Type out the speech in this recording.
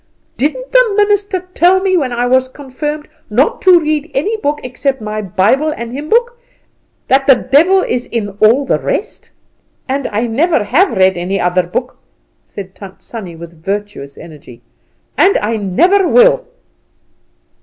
Didn't the minister tell me when I was confirmed not to read any book except my Bible and hymn book, that the devil was in all the rest? And I never have read any other book," said Tant Sannie with virtuous energy, "and I never will!"